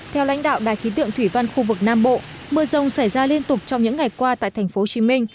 theo lãnh đạo đài khí tượng thủy văn khu vực nam bộ mưa rông xảy ra liên tục trong những ngày qua tại thành phố hồ chí minh